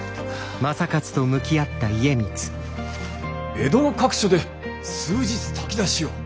江戸の各所で数日炊き出しを。